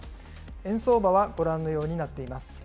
円相場はご覧のようになっています。